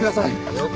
了解。